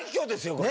これ。